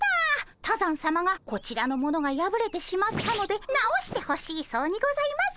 多山さまがこちらのものがやぶれてしまったので直してほしいそうにございます。